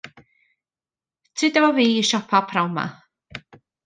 Tyd efo fi i siopio p'nawn 'ma.